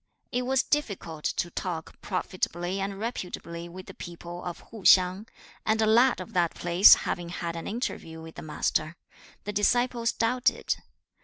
It was difficult to talk (profitably and reputably) with the people of Hu hsiang, and a lad of that place having had an interview with the Master, the disciples doubted.